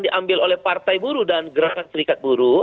diambil oleh partai buruh dan gerakan serikat buruh